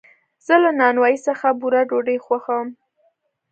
زه له نانوایي څخه بوره ډوډۍ خوښوم.